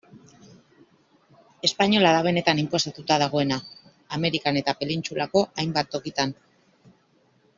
Espainola da benetan inposatuta dagoena, Amerikan eta penintsulako hainbat tokitan.